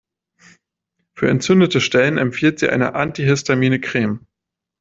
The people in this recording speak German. Für entzündete Stellen empfiehlt sie eine antihistamine Creme.